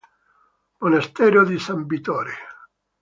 Monastero di San Vittore